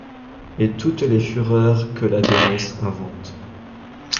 Et toutes les fureurs que la démence invente ;